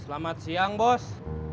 selamat siang bos